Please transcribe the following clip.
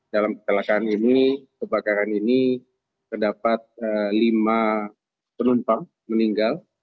dalam kecelakaan ini kebakaran ini terdapat lima penumpang meninggal